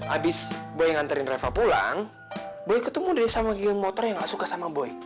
abis boy nganterin reva pulang boy ketemu deh sama geng motor yang gak suka sama boy